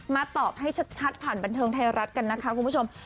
ตอบให้ชัดผ่านบันเทิงไทยรัฐกันนะคะคุณผู้ชม